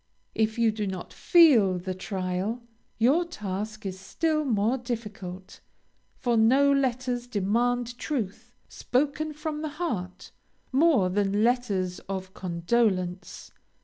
If you do not feel the trial, your task is still more difficult, for no letters demand truth, spoken from the heart, more than letters of condolence.